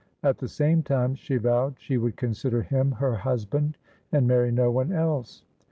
At the same time she vowed she would consider him her husband, and marry no one else.